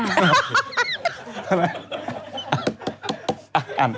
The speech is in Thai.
อ่ะอ่านไป